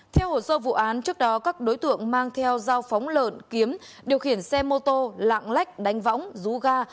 theo hồ sơ vụ án trước đó các đối tượng mang theo dao phóng lợn kiếm điều khiển xe mô tô lạng lách đánh võng rú ga